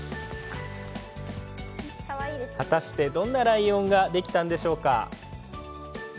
果たして、どんなライオンができたんでしょうか。